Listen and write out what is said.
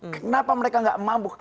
kenapa mereka gak mabuk